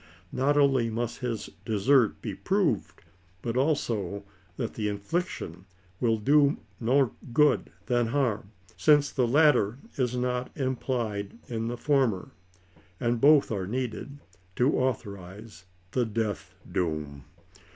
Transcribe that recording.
Not only must his desert be proved, but also that the infliction will do more good 107 than hdrm ; since the latter is not implied in the former, and both are needed, to authorize the death doom.